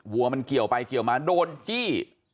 วัวมันเกี่ยวไปเกี่ยวมาโดนจี้